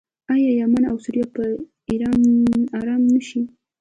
آیا یمن او سوریه به ارام نشي؟